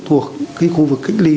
thuộc khu vực cách ly